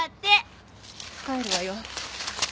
帰るわよ。